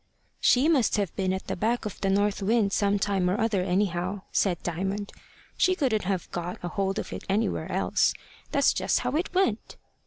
"She must have been at the back of the north wind some time or other, anyhow," said Diamond. "She couldn't have got a hold of it anywhere else. That's just how it went."